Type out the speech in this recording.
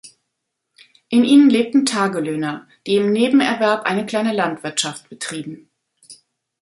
In ihnen lebten Tagelöhner, die im Nebenerwerb eine kleine Landwirtschaft betrieben.